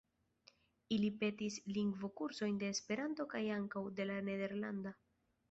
Ili petis lingvokursojn de Esperanto kaj ankaŭ de la nederlanda.